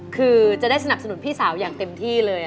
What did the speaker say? คือจะได้สนับสนุนพี่สาวอย่างเต็มที่เลย